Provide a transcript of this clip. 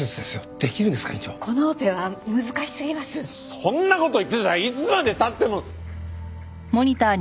そんな事言ってたらいつまで経っても。